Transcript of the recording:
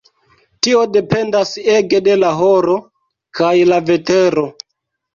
Tio dependas ege de la horo kaj la vetero.